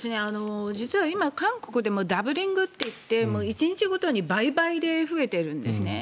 実は今、韓国でもダブリングといって１日ごとに倍々で増えてるんですね。